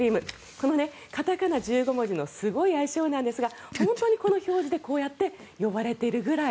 この片仮名１５文字のすごい愛称なんですが本当にこの表示でこうやって呼ばれているぐらい。